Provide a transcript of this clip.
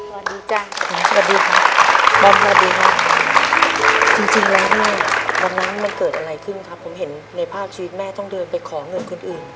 สวัสดีค่ะขอบคุณครับจริงว่านั้นมันเกิดอะไรขึ้นครับผมเห็นในภาพชีวิตแม่ต้องเดินไปของเงินคนอื่น